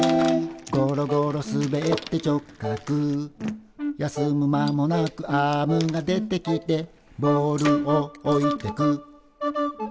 「ゴロゴロ滑って直角」「休む間もなくアームが出てきて」「ボールを置いてく」